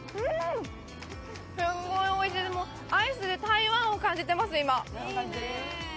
すっごいおいしいです、アイスで台湾を感じています、今。